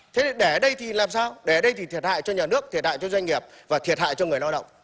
thế để ở đây thì làm sao để ở đây thì thiệt hại cho nhà nước thiệt hại cho doanh nghiệp và thiệt hại cho người lao động